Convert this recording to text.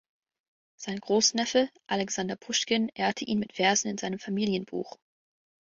Sein Großneffe Alexander Puschkin ehrte ihn mit Versen in seinem Familienbuch.